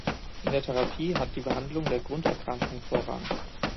In der Therapie hat die Behandlung der Grunderkrankung Vorrang.